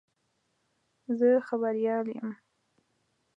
زه خبریال یم.